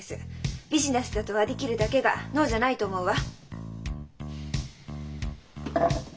ビジネスだと割り切るだけが能じゃないと思うわ。